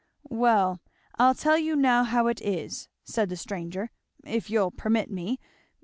"Well I'll tell you now how it is," said the stranger, "if you'll permit me.